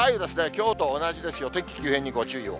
きょうと同じですよ、天気急変にご注意を。